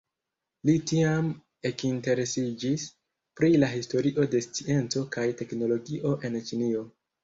Li tiam ekinteresiĝis pri la historio de scienco kaj teknologio en Ĉinio.